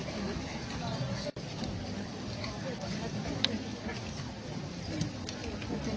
อร่อยมากครับ